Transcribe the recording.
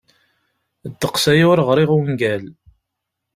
Ddeqs aya ur ɣriɣ ungal.